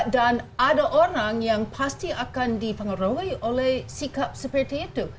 dan ada orang yang pasti akan dipengaruhi oleh sikap seperti itu